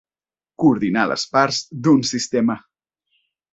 Coordinar les parts d'un sistema.